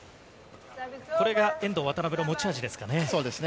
これが遠藤・渡辺の持ち味ですかね。